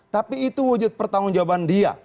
tapi itu wujud pertanggungjawaban dia